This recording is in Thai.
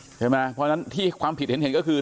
ใช่ไหมเพราะฉะนั้นที่ความผิดเห็นก็คือ